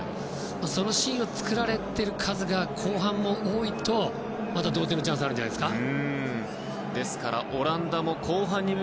そのシーンを作られている数が後半も多いとまだ同点のチャンスはあるんじゃないですか。